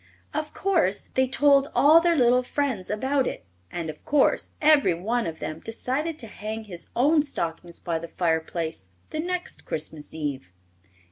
Of course they told all their little friends about it, and of course every one of them decided to hang his own stockings by the fireplace the next Christmas Eve.